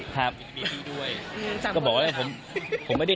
ครับอืมจับตามาว่าผมมีทั้งเจดด้วย